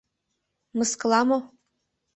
— Мыскыла мо?